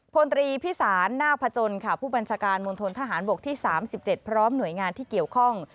พลตรีพิสารนาคพจนค่ะผู้บัญชาการมณฑนทหารบกที่๓๗พร้อมหน่วยงานที่เกี่ยวข้อง